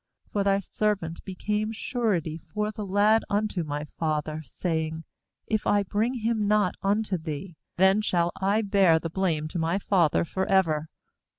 S2For thy servant became surety for the lad unto my father, saying: If I bring him not unto thee, then shall I bear the blame to my father for ever.